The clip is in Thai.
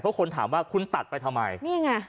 เพราะคนถามว่าคุณตัดไปทำไมนี่ไง